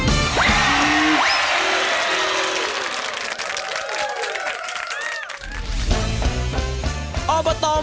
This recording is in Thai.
อบเตอร์มหาสนุกกลับมาสร้างความสนานครื้นเครงพร้อมกับแขกรับเชิง